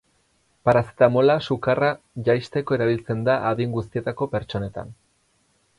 Parazetamola sukarra jaisteko erabiltzen da adin guztietako pertsonetan.